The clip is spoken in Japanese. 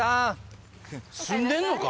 住んでんのか？